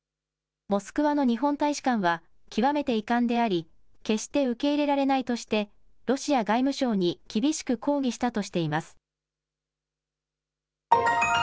モスクワの日本大使館は、極めて遺憾であり、決して受け入れられないとして、ロシア外務省に厳しく抗議したとしています。